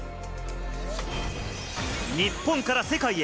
日本から世界へ！